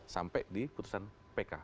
sampai di putusan pk